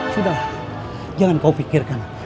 sudah jangan kau pikirkan